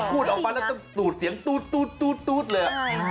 พูดออกมาแล้วต้องตูดเสียงตู๊ดเลย